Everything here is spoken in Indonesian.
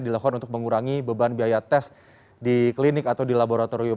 dilakukan untuk mengurangi beban biaya tes di klinik atau di laboratorium